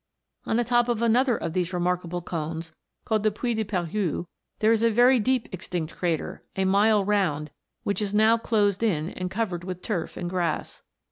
On the top of another of these remarkable cones, called the " Puy de Pariou," there is a very deep extinct crater, a mile round, which is now closed in, and covered with turf and grass.